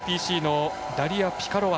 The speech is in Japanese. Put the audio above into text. ＲＰＣのダリア・ピカロワ。